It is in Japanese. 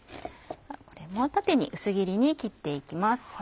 これも縦に薄切りに切って行きます。